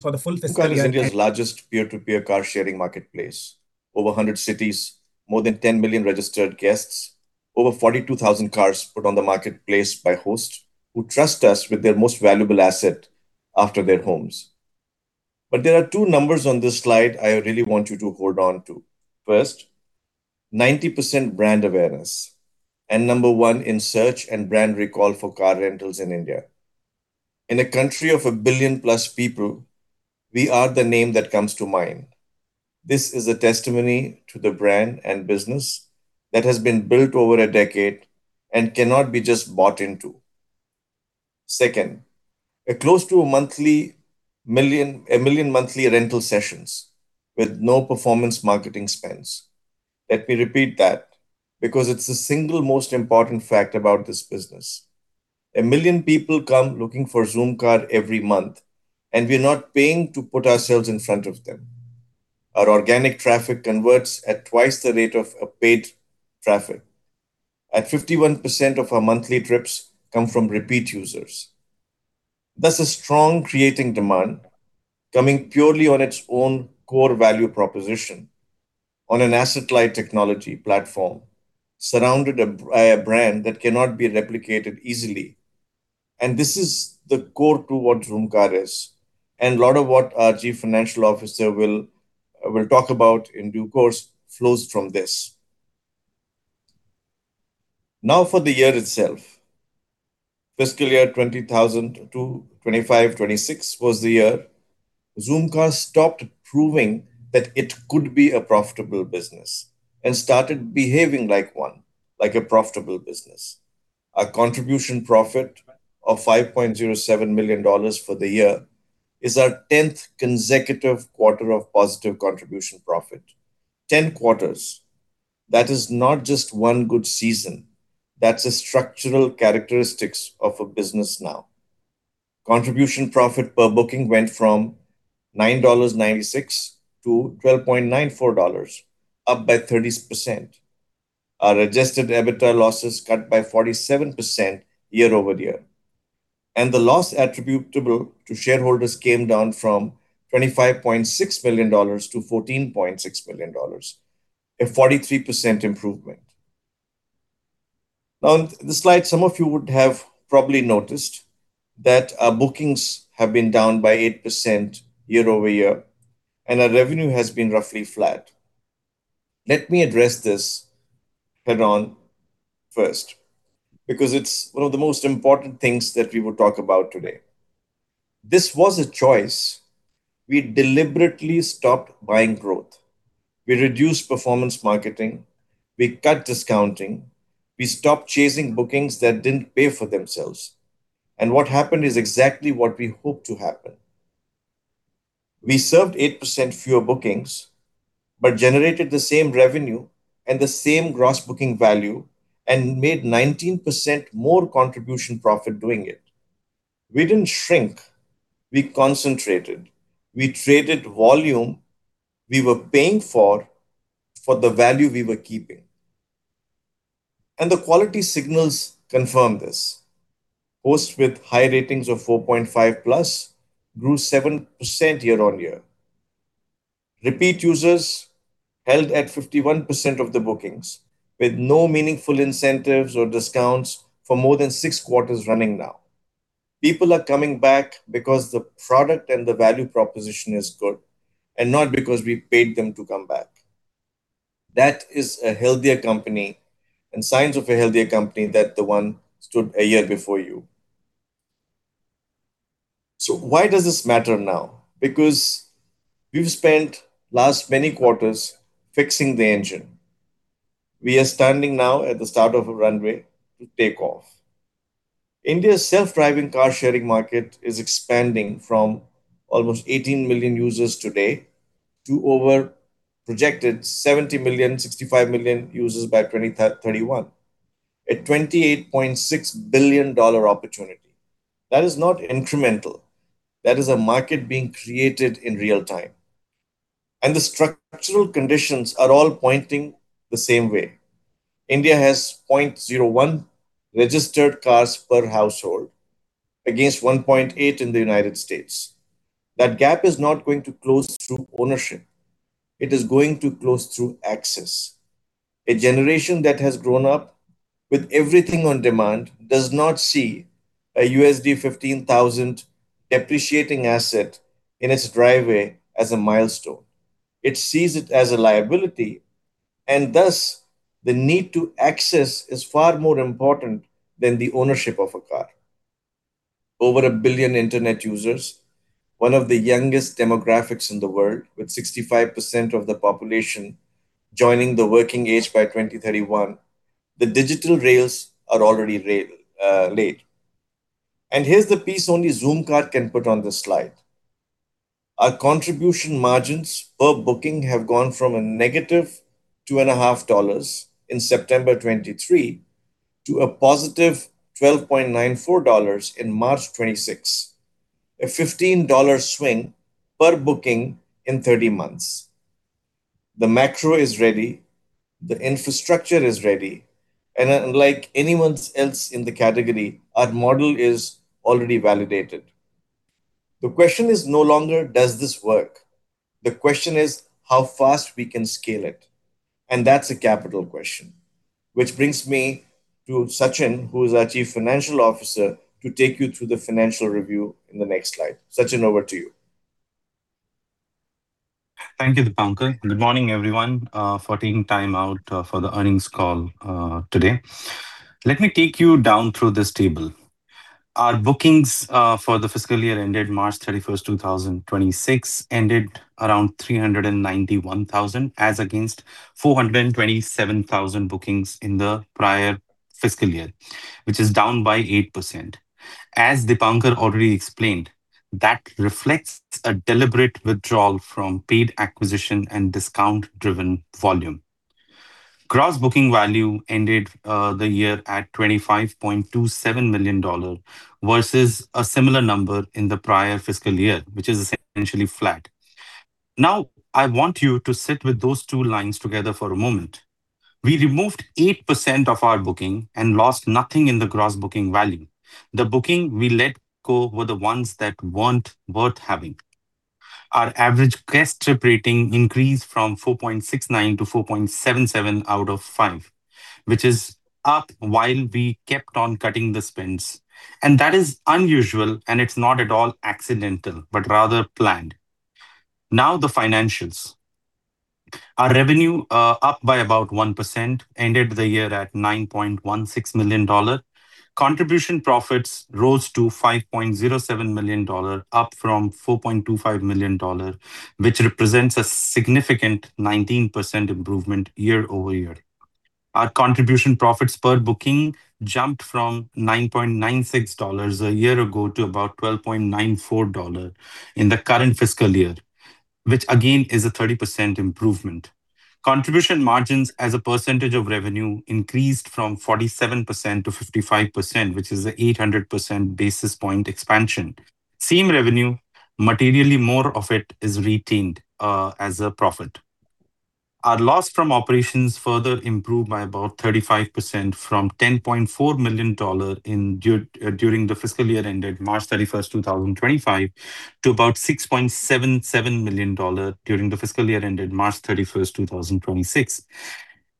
For the full fiscal year. Zoomcar is India's largest peer-to-peer car sharing marketplace. Over 100 cities, more than 10 million registered guests, over 42,000 cars put on the marketplace by hosts who trust us with their most valuable asset after their homes. There are two numbers on this slide I really want you to hold on to. First, 90% brand awareness, and number one in search and brand recall for car rentals in India. In a country of a billion plus people, we are the name that comes to mind. This is a testimony to the brand and business that has been built over a decade and cannot be just bought into. Second, close to a million monthly rental sessions with no performance marketing spends. Let me repeat that because it's the single most important fact about this business. A million people come looking for Zoomcar every month, we're not paying to put ourselves in front of them. Our organic traffic converts at twice the rate of our paid traffic. 51% of our monthly trips come from repeat users. That's a strong creating demand coming purely on its own core value proposition on an asset-light technology platform, surrounded by a brand that cannot be replicated easily. This is the core to what Zoomcar is, and a lot of what our Chief Financial Officer will talk about in due course flows from this. Now for the year itself. Fiscal year 2025, 2026 was the year Zoomcar stopped proving that it could be a profitable business and started behaving like one, like a profitable business. Our contribution profit of $5.07 million for the year is our 10th consecutive quarter of positive contribution profit. Ten quarters. That is not just one good season. That's a structural characteristic of a business now. Contribution profit per booking went from $9.96 to $12.94, up by 30%. Our adjusted EBITDA losses cut by 47% year-over-year. The loss attributable to shareholders came down from $25.6 million to $14.6 million, a 43% improvement. Now, on this slide, some of you would have probably noticed that our bookings have been down by 8% year-over-year, and our revenue has been roughly flat. Let me address this head-on first, because it's one of the most important things that we will talk about today. This was a choice. We deliberately stopped buying growth. We reduced performance marketing. We cut discounting. We stopped chasing bookings that didn't pay for themselves. What happened is exactly what we hoped to happen. We served 8% fewer bookings, generated the same revenue and the same gross booking value and made 19% more contribution profit doing it. We didn't shrink. We concentrated. We traded volume we were paying for the value we were keeping. The quality signals confirm this. Hosts with high ratings of 4.5+ grew 7% year-on-year. Repeat users held at 51% of the bookings with no meaningful incentives or discounts for more than six quarters running now. People are coming back because the product and the value proposition is good and not because we paid them to come back. That is a healthier company and signs of a healthier company than the one stood a year before you. Why does this matter now? Because we've spent the last many quarters fixing the engine. We are standing now at the start of a runway to take off. India's self-drive car-sharing market is expanding from almost 18 million users today to over projected 70 million, 65 million users by 2031, a $28.6 billion opportunity. That is not incremental. That is a market being created in real time. The structural conditions are all pointing the same way. India has 0.01 registered cars per household against 1.8 in the United States. That gap is not going to close through ownership. It is going to close through access. A generation that has grown up with everything on demand does not see a $15,000 depreciating asset in its driveway as a milestone. It sees it as a liability, and thus the need to access is far more important than the ownership of a car. Over a billion internet users, one of the youngest demographics in the world, with 65% of the population joining the working age by 2031. The digital rails are already laid. Here's the piece only Zoomcar can put on this slide. Our contribution margins per booking have gone from a -$2.50 in September 2023 to a +$12.94 in March 2026, a $15 swing per booking in 30 months. The macro is ready, the infrastructure is ready, and unlike anyone else in the category, our model is already validated. The question is no longer does this work? The question is how fast we can scale it. That's a capital question. Which brings me to Sachin, who is our Chief Financial Officer, to take you through the financial review in the next slide. Sachin, over to you. Thank you, Deepankar. Good morning, everyone, for taking time out for the earnings call today. Let me take you down through this table. Our bookings for the fiscal year ended March 31st, 2026, ended around 391,000 as against 427,000 bookings in the prior fiscal year, which is down by 8%. As Deepankar already explained, that reflects a deliberate withdrawal from paid acquisition and discount-driven volume. Gross booking value ended the year at $25.27 million, versus a similar number in the prior fiscal year, which is essentially flat. I want you to sit with those two lines together for a moment. We removed 8% of our booking and lost nothing in the gross booking value. The booking we let go were the ones that weren't worth having. Our average guest trip rating increased from 4.69 to 4.77 out of five, which is up while we kept on cutting the spends. That is unusual, and it's not at all accidental, but rather planned. Now the financials, our revenue, up by about 1%, ended the year at $9.16 million. Contribution profits rose to $5.07 million, up from $4.25 million, which represents a significant 19% improvement year-over-year. Our contribution profits per booking jumped from $9.96 a year ago to about $12.94 in the current fiscal year, which again, is a 30% improvement. Contribution margins as a percentage of revenue increased from 47% to 55%, which is an 800 basis point expansion. Same revenue, materially more of it is retained as a profit. Our loss from operations further improved by about 35% from $10.4 million during the fiscal year ended March 31st, 2025, to about $6.77 million during the fiscal year ended March 31st, 2026.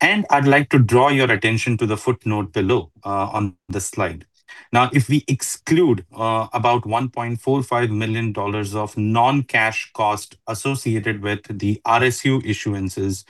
I'd like to draw your attention to the footnote below, on the slide. If we exclude about $1.45 million of non-cash costs associated with the RSU issuances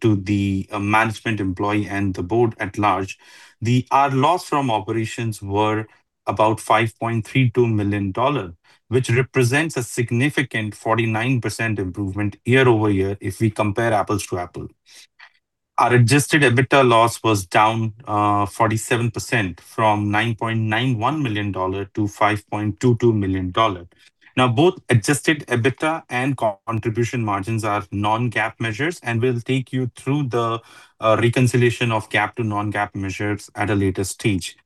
to the management employee and the board at large, our loss from operations was about $5.32 million, which represents a significant 49% improvement year-over-year if we compare apples to apples. Our adjusted EBITDA loss was down 47%, from $9.91 million to $5.22 million. Both adjusted EBITDA and contribution margins are non-GAAP measures, and we'll take you through the reconciliation of GAAP to non-GAAP measures at a later stage.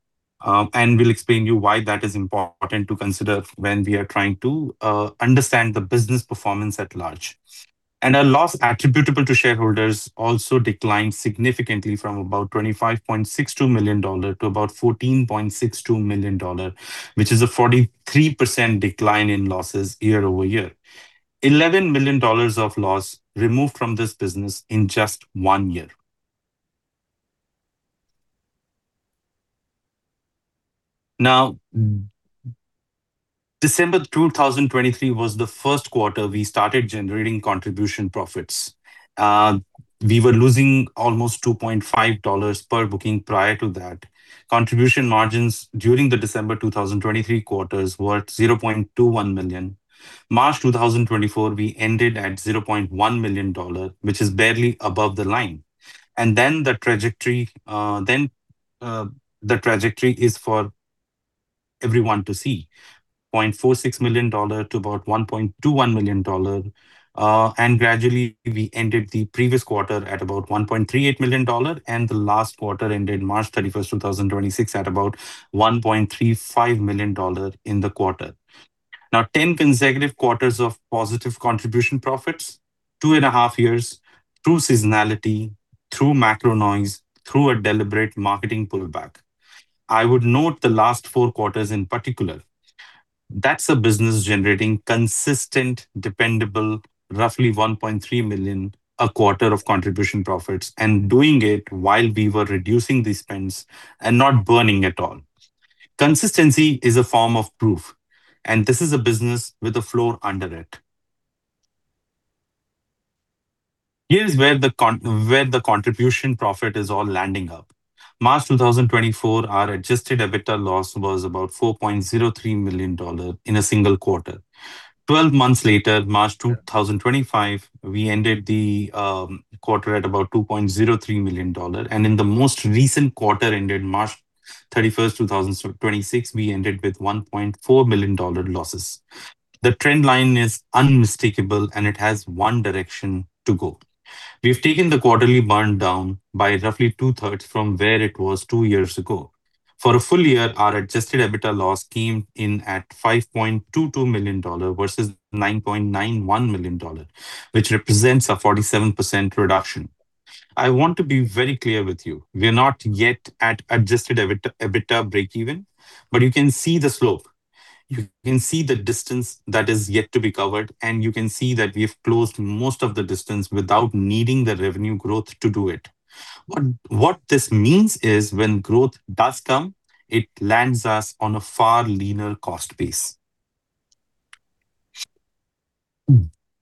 We'll explain to you why that is important to consider when we are trying to understand the business performance at large. Our loss attributable to shareholders also declined significantly from about $25.62 million to about $14.62 million, which is a 43% decline in losses year-over-year. $11 million of loss removed from this business in just one year. December 2023 was the first quarter we started generating contribution profits. We were losing almost $2.5 per booking prior to that. Contribution margins during the December 2023 quarter were $0.21 million. March 2024, we ended at $0.1 million, which is barely above the line. The trajectory is for everyone to see. $0.46 million to about $1.21 million. Gradually, we ended the previous quarter at about $1.38 million, and the last quarter ended March 31st, 2026, at about $1.35 million in the quarter. 10 consecutive quarters of positive contribution profits, 2.5 years through seasonality, through macro noise, through a deliberate marketing pullback. I would note the last four quarters in particular. That's a business generating consistent, dependable, roughly $1.3 million a quarter of contribution profits and doing it while we were reducing the spends and not burning at all. Consistency is a form of proof, and this is a business with a floor under it. Here's where the contribution profit is all landing up. March 2024, our adjusted EBITDA loss was about $4.03 million in a single quarter. 12 months later, March 2025, we ended the quarter at about $2.03 million. In the most recent quarter ended March 31st, 2026, we ended with $1.4 million losses. The trend line is unmistakable, and it has one direction to go. We've taken the quarterly burn down by roughly two-thirds from where it was two years ago. For a full year, our adjusted EBITDA loss came in at $5.22 million versus $9.91 million, which represents a 47% reduction. I want to be very clear with you, we are not yet at adjusted EBITDA breakeven, but you can see the slope. You can see the distance that is yet to be covered. You can see that we've closed most of the distance without needing the revenue growth to do it. What this means is when growth does come, it lands us on a far leaner cost base.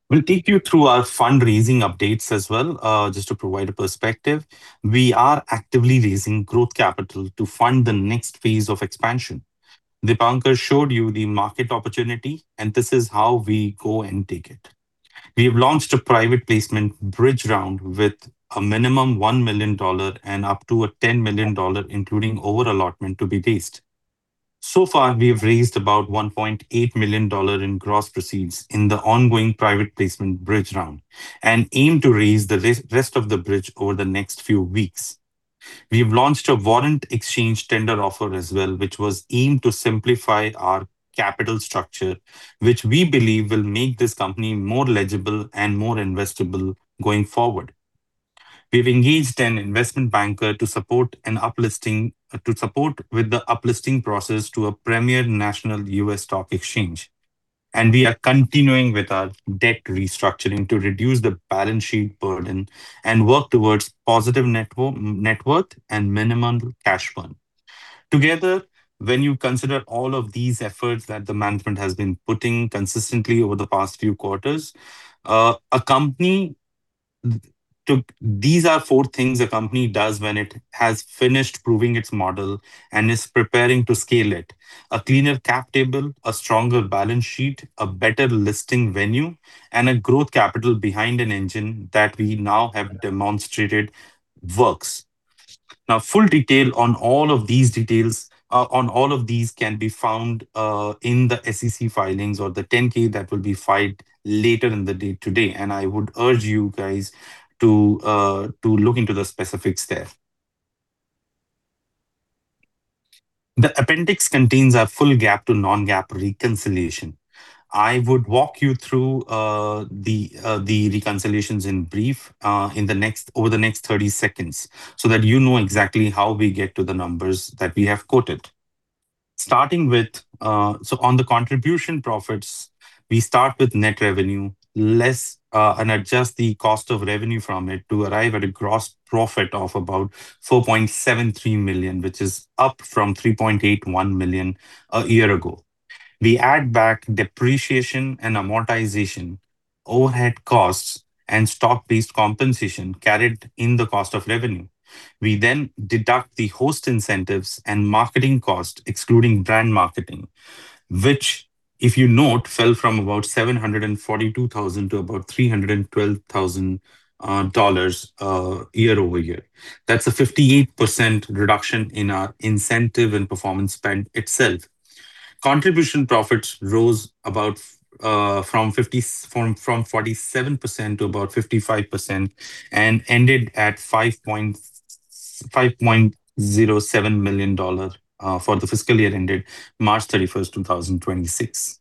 We'll take you through our fundraising updates as well, just to provide a perspective. We are actively raising growth capital to fund the next phase of expansion. Deepankar showed you the market opportunity. This is how we go and take it. We have launched a private placement bridge round with a minimum $1 million and up to a $10 million, including over-allotment to be raised. So far, we have raised about $1.8 million in gross proceeds in the ongoing private placement bridge round and aim to raise the rest of the bridge over the next few weeks. We have launched a warrant exchange tender offer as well, which was aimed to simplify our capital structure, which we believe will make this company more legible and more investable going forward. We've engaged an investment banker to support with the up-listing process to a premier national U.S. stock exchange. We are continuing with our debt restructuring to reduce the balance sheet burden and work towards positive net worth and minimum cash burn. Together, when you consider all of these efforts that the management has been putting consistently over the past few quarters, these are four things a company does when it has finished proving its model and is preparing to scale it. A cleaner cap table, a stronger balance sheet, a better listing venue, and a growth capital behind an engine that we now have demonstrated works. Full detail on all of these can be found in the SEC filings or the 10-K that will be filed later in the day today. I would urge you guys to look into the specifics there. The appendix contains our full GAAP to non-GAAP reconciliation. I would walk you through the reconciliations in brief over the next 30 seconds so that you know exactly how we get to the numbers that we have quoted. On the contribution profits, we start with net revenue and adjust the cost of revenue from it to arrive at a gross profit of about $4.73 million, which is up from $3.81 million a year ago. We add back depreciation and amortization, overhead costs, and stock-based compensation carried in the cost of revenue. We deduct the host incentives and marketing costs, excluding brand marketing, which, if you note, fell from about $742,000 to about $312,000 year-over-year. That's a 58% reduction in our incentive and performance spend itself. Contribution profits rose from 47% to about 55% and ended at $5.07 million for the fiscal year ended March 31st, 2026.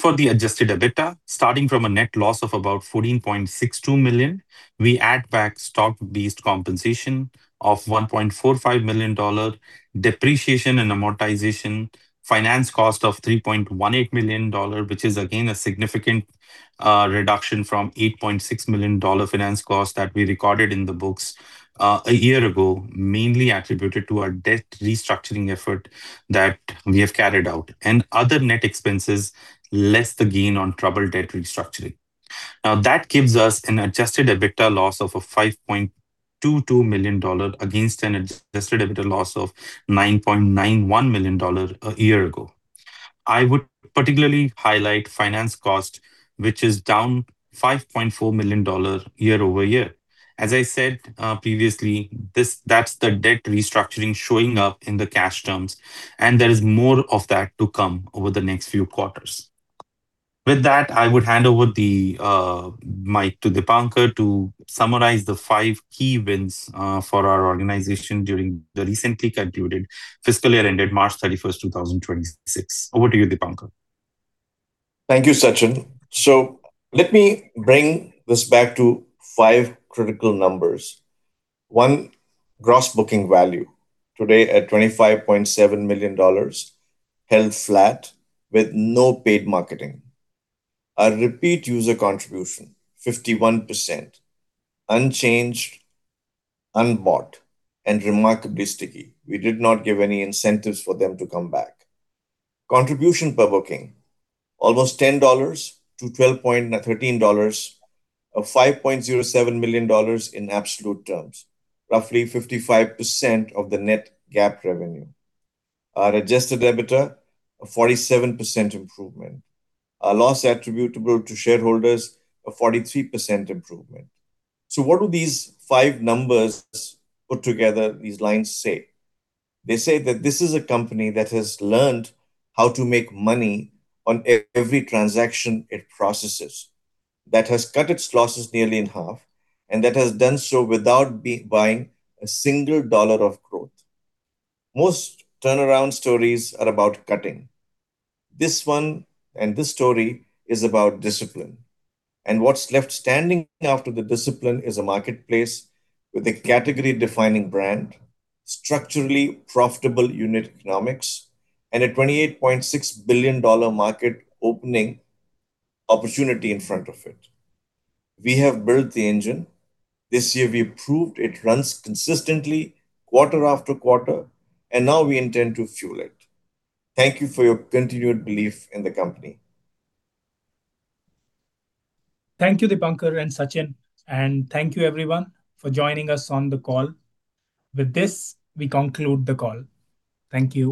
For the adjusted EBITDA, starting from a net loss of about $14.62 million, we add back stock-based compensation of $1.45 million, depreciation and amortization, finance cost of $3.18 million, which is again a significant reduction from $8.6 million finance cost that we recorded in the books a year ago, mainly attributed to our debt restructuring effort that we have carried out. Other net expenses less the gain on troubled debt restructuring. That gives us an adjusted EBITDA loss of $5.22 million against an adjusted EBITDA loss of $9.91 million a year ago. I would particularly highlight finance cost, which is down $5.4 million year-over-year. As I said previously, that's the debt restructuring showing up in the cash terms, and there is more of that to come over the next few quarters. With that, I would hand over the mic to Deepankar to summarize the five key wins for our organization during the recently concluded fiscal year ended March 31st, 2026. Over to you, Deepankar. Thank you, Sachin. Let me bring this back to five critical numbers. One, gross booking value. Today at $25.7 million, held flat with no paid marketing. Our repeat user contribution, 51%, unchanged, unbought, and remarkably sticky. We did not give any incentives for them to come back. Contribution per booking, almost $10-$13, or $5.07 million in absolute terms, roughly 55% of the net GAAP revenue. Our adjusted EBITDA, a 47% improvement. Our loss attributable to shareholders, a 43% improvement. What do these five numbers put together, these lines say? They say that this is a company that has learned how to make money on every transaction it processes, that has cut its losses nearly in half, and that has done so without buying a single dollar of growth. Most turnaround stories are about cutting. This one, this story is about discipline. What's left standing after the discipline is a marketplace with a category-defining brand, structurally profitable unit economics, and a $28.6 billion market opening opportunity in front of it. We have built the engine. This year we proved it runs consistently quarter-after-quarter, and now we intend to fuel it. Thank you for your continued belief in the company. Thank you, Deepankar and Sachin, and thank you everyone for joining us on the call. With this, we conclude the call. Thank you.